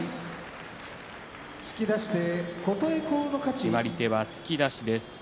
決まり手は突き出しです。